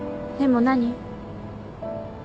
でも何？